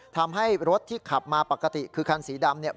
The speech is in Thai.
ทำให้รถที่ขับมาปกติคือคันสีดำเนี่ย